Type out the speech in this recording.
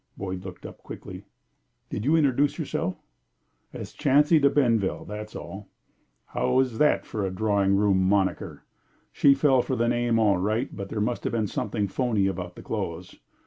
Boyd looked up quickly. "Did you introduce yourself?" "As Chancy De Benville, that's all. How is that for a drawing room monaker? She fell for the name all right, but there must have been something phony about the clothes.